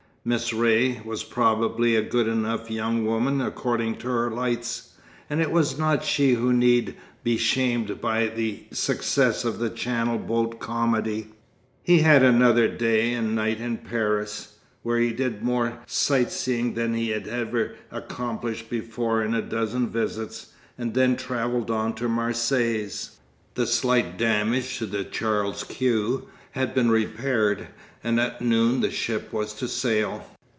Miss Ray was probably a good enough young woman according to her lights, and it was not she who need be shamed by the success of the Channel boat comedy. He had another day and night in Paris, where he did more sightseeing than he had ever accomplished before in a dozen visits, and then travelled on to Marseilles. The slight damage to the Charles Quex had been repaired, and at noon the ship was to sail.